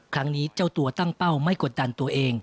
ครั้งนี้เจ้าตัวตั้งเป้าไม่กดดันตัวเอง